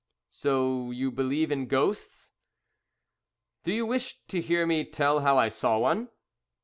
"So you believe in ghosts?" "Do you wish to hear me tell how I saw one?"